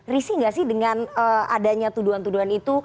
risih nggak sih dengan adanya tuduhan tuduhan itu